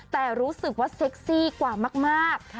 แต่รู้สึกว่าเซ็กซี่กว่ามาก